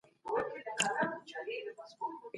د مطالعې ذوق ته لومړیتوب ورکړئ.